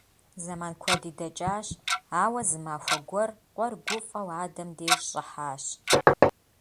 Зэман куэди дэкӀащ, ауэ зы махуэ гуэр къуэр гуфӀэу адэм деж щӀыхьащ.